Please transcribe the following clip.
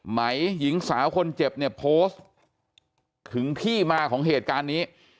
ไหมหญิงสาวคนเจ็บเนี่ยโพสต์ถึงที่มาของเหตุการณ์นี้